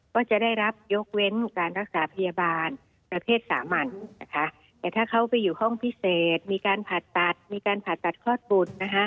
ก็จะได้รับยกเว้นการรักษาพยาบาลประเภทสามัญแต่ถ้าเขาไปอยู่ห้องพิเศษมีการผ่าตัดคลอดบุตร